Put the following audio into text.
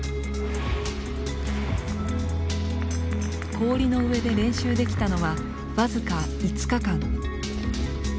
氷の上で練習できたのは僅か５日間。